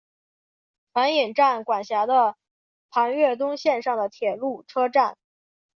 船引站管辖的磐越东线上的铁路车站。